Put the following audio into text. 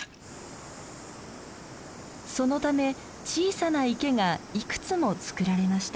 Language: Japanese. そのため小さな池がいくつもつくられました。